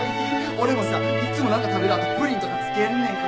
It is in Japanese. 俺もさいっつも何か食べる後プリンとか付けんねん。